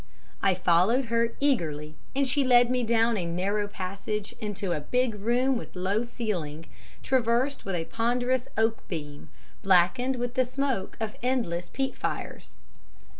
I followed her eagerly, and she led me down a narrow passage into a big room with a low ceiling, traversed with a ponderous oak beam, blackened with the smoke of endless peat fires.